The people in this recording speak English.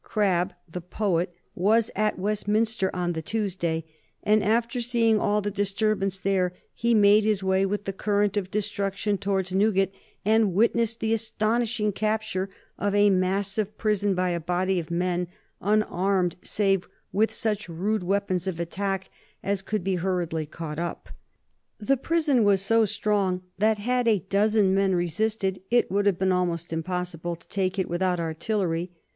Crabbe, the poet, was at Westminster on the Tuesday, and after seeing all the disturbance there he made his way with the current of destruction towards Newgate, and witnessed the astonishing capture of a massive prison by a body of men, unarmed save with such rude weapons of attack as could be hurriedly caught up. The prison was so strong that, had a dozen men resisted, it would have been almost impossible to take it without artillery.